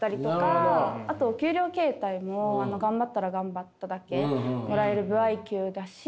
あとお給料形態も頑張ったら頑張っただけもらえる歩合給だし。